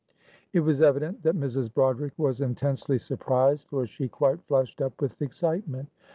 It was evident that Mrs. Broderick was intensely surprised, for she quite flushed up with excitement.